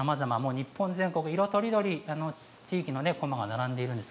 日本全国、色とりどりの地域のこまが並んでいます。